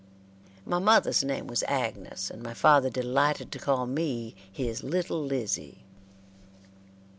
My mother's name was Agnes, and my father delighted to call me his "Little Lizzie."